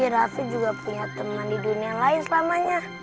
raffi juga punya teman di dunia lain selamanya